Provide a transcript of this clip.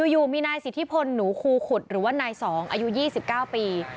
อยู่มีนายสิทธิพลหนูคูขุดหรือว่านาย๒อายุ๒๙ปี